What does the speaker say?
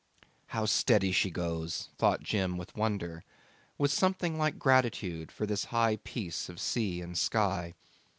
'How steady she goes,' thought Jim with wonder, with something like gratitude for this high peace of sea and sky.